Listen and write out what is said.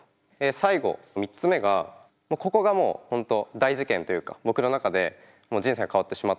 最後３つ目がここがもう本当大事件というか僕の中で人生が変わってしまったっていうのがありました。